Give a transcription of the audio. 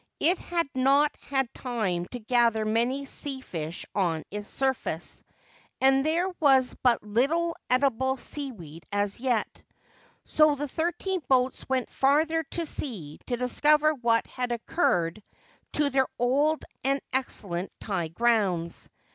It had not had time to gather many shell fish on its surface, and there was but little edible seaweed as yet. So the thirteen boats went farther to sea, to discover what had occurred to their old and excellent tai grounds.